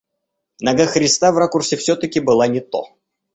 Нога Христа в ракурсе всё-таки была не то.